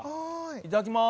いただきます。